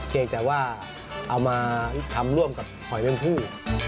เพียงแต่ว่าเอามาทำร่วมกับหอยน้ำผู้